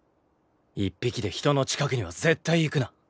一匹で人の近くには絶対行くな。